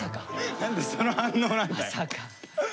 何でその反応なんだよ。